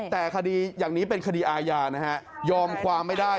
แต่คดีอย่างนี้เป็นคดีอาญานะฮะยอมความไม่ได้